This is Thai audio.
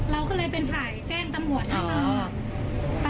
เราก็เลยเป็นฝ่ายแจ้งตำรวจให้มา